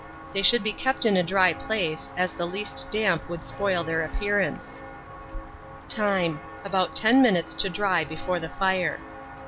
They should be kept in a dry place, as the least damp would spoil their appearance. Time. About 10 minutes to dry before the fire.